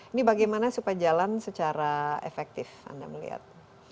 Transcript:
ini bagaimana supaya jalan secara efektif anda melihat